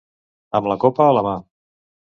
Amb la copa a la mà.